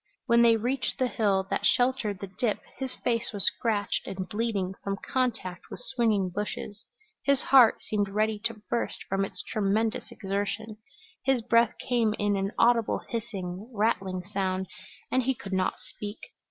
When they reached the hill that sheltered the dip his face was scratched and bleeding from contact with swinging bushes; his heart seemed ready to burst from its tremendous exertion; his breath came in an audible hissing, rattling sound, and he could not speak.